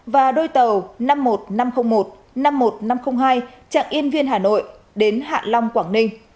và đôi tàu năm mươi một nghìn năm trăm linh một năm mươi một nghìn năm trăm linh hai chặng yên viên hà nội đến hạ long quảng ninh